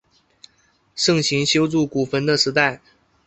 盛行修筑古坟的时代。